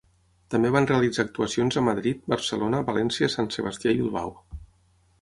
També van realitzar actuacions a Madrid, Barcelona, València, Sant Sebastià i Bilbao.